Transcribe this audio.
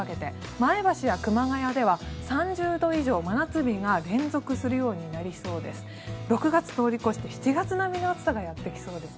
前橋や熊谷では３０度以上真夏日が連続するようになりそうです。